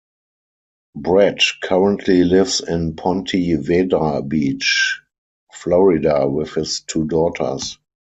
Brett currently lives in Ponte Vedra Beach, Florida with his two daughters.